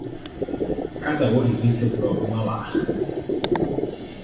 Cada olho tem seu próprio malar.